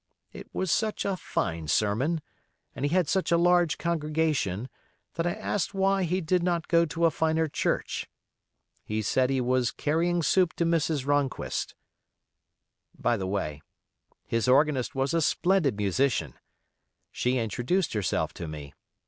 It was such a fine sermon, and he had such a large congregation, that I asked why he did not go to a finer church. He said he was "carrying soup to Mrs. Ronquist." By the way, his organist was a splendid musician. She introduced herself to me.